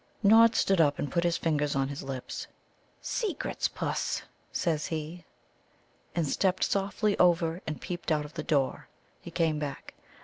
Nod stood up and put his finger on his lips. "Secrets, Puss!" says he, and stepped softly over and peeped out of the door. He came back.